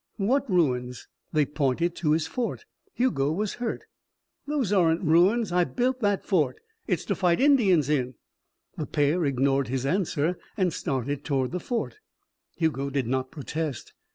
"What ruins?" They pointed to his fort. Hugo was hurt. "Those aren't ruins. I built that fort. It's to fight Indians in." The pair ignored his answer and started toward the fort. Hugo did not protest.